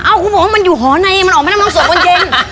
เอ้ากูบอกว่ามันอยู่หอในมันออกมาทำงงสวนมนต์เย็น